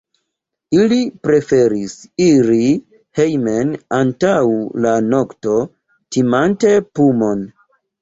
Ili preferis iri hejmen antaŭ la nokto, timante pumon.